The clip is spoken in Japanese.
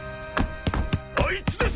あいつです！